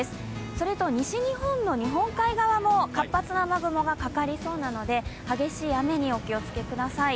それと西日本の日本海側も活発な雨雲がかかりそうなので激しい雨にお気をつけください。